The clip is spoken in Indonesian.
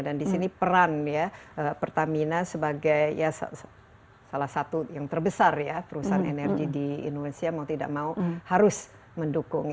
dan di sini peran pertamina sebagai salah satu yang terbesar perusahaan energi di indonesia mau tidak mau harus mendukung